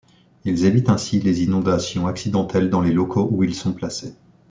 Ils évitent ainsi les inondations accidentelles dans les locaux où ils sont placés.